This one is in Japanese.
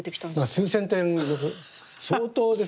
数千点です。